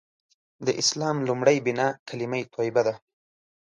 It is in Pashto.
د اسلام لومړۍ بناء کلیمه طیبه ده.